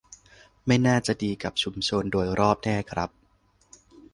ไม่น่าจะดีกับชุมชนโดยรอบแน่ครับ